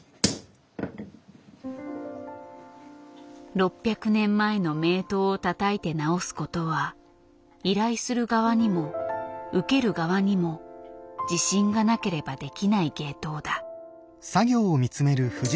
６００年前の名刀をたたいて直すことは依頼する側にも受ける側にも自信がなければできない芸当だ。